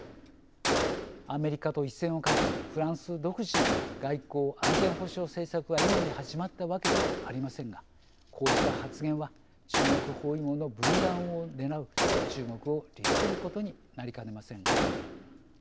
アメリカと一線を画すフランス独自の外交・安全保障政策は今に始まったわけではありませんがこうした発言は中国包囲網の分断をねらう中国を利することになりかねません。